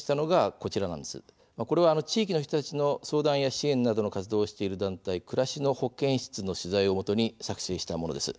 こちらは地域の人たちの相談や支援などの活動をしている団体、暮らしの保健室の取材をもとに作成したものです。